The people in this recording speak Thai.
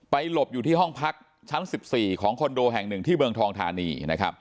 หลบอยู่ที่ห้องพักชั้น๑๔ของคอนโดแห่งหนึ่งที่เมืองทองธานีนะครับ